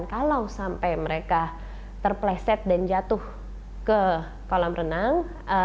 kalau sampai mereka terpleset dan jatuh ke kolam renang